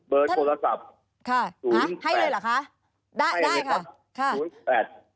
เบอร์โทรศัพท์๐๘๐๘๙๐๙๖๐๔๒๔๒ครับ